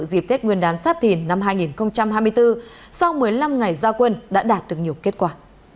dịp vết nguyên đán sáp thìn năm hai nghìn hai mươi bốn sau một mươi năm ngày giao quân đã đạt được nhiều kết quả